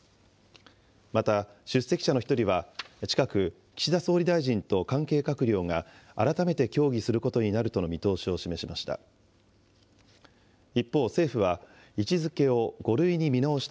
また、出席者の１人は近く、岸田総理大臣と関係閣僚が改めて協議することになるとの見通しを示しました。